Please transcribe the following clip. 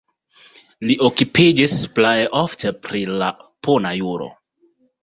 Li okupiĝis plej ofte pri la puna juro.